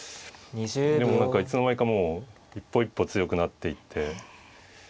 でも何かいつの間にかもう一歩一歩強くなっていって。